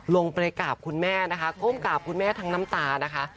ลงไปกราบคุณแม่นะคะก้มกราบคุณแม่ทั้งน้ำตานะคะ